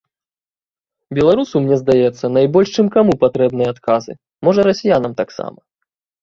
Беларусу, мне здаецца, найбольш чым каму патрэбныя адказы, можа расіянам таксама.